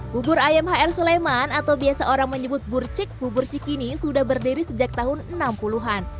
bubur ayam hr suleman atau biasa orang menyebut burcik bubur cikini sudah berdiri sejak tahun enam puluh an